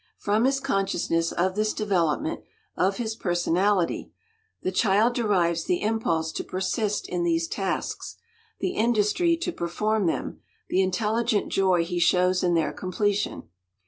From his consciousness of this development of his personality the child derives the impulse to persist in these tasks, the industry to perform them, the intelligent joy he shows in their completion.